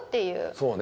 そうね。